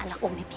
aduh aku bisa